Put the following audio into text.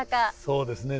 そうですね。